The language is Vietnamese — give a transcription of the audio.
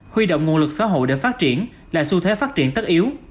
huy động nguồn lực xã hội để phát triển là xu thế phát triển tất yếu